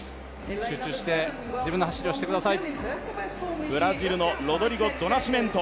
集中して自分の走りをしてください。